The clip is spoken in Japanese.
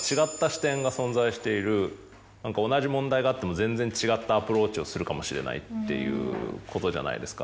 何か同じ問題があっても全然違ったアプローチをするかもしれないっていうことじゃないですか。